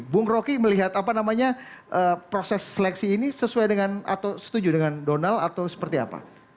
bung roky melihat apa namanya proses seleksi ini sesuai dengan atau setuju dengan donald atau seperti apa